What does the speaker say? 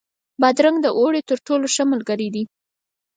بادرنګ د اوړي تر ټولو ښه ملګری دی.